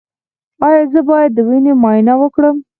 ایا زه باید د وینې معاینه وکړم؟